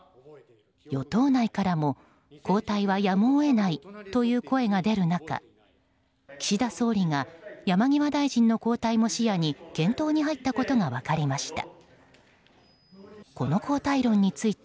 与党内からも、交代はやむを得ないという声が出る中岸田総理が山際大臣の交代も視野に検討に入ったことが分かりました。